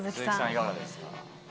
いかがですか？